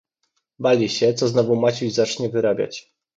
"Bali się, co znowu Maciuś zacznie wyrabiać."